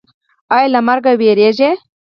ایا له مرګ ویریږئ؟